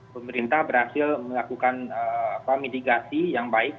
pemerintah berhasil melakukan mitigasi yang baik